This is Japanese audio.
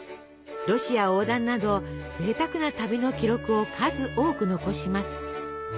ロシア横断などぜいたくな旅の記録を数多く残します。